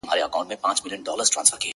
o چي یې ته اوربل کي کښېږدې بیا تازه سي,